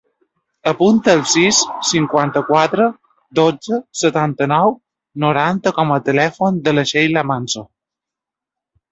Apunta el sis, cinquanta-quatre, dotze, setanta-nou, noranta com a telèfon de la Sheila Manso.